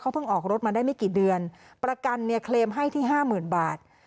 เขาเพิ่งออกรถมาได้ไม่กี่เดือนประกันเคลมให้ที่๕๐๐๐๐บาท